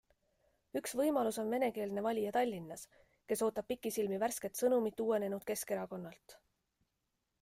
Üks võimalus on venekeelne valija Tallinnas, kes ootab pikisilmi värsket sõnumit uuenenud Keskerakonnalt.